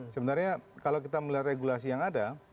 sebenarnya kalau kita melihat regulasi yang ada